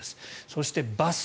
そしてバス。